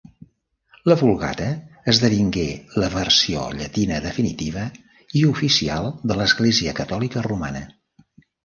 La Vulgata esdevingué la versió llatina definitiva i oficial de l'Església Catòlica Romana.